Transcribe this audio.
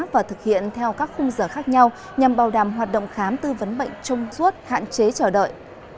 và thực hiện theo các khung rở khác nhau nhằm bảo đảm hoạt động khám tư vấn bệnh trông ruốt hạn chế chờ đợi